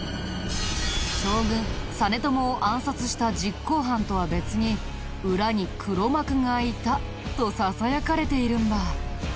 将軍実朝を暗殺した実行犯とは別に裏に黒幕がいたとささやかれているんだ。